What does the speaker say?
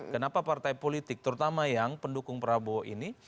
kenapa partai politik terutama yang pendukung prabowo ini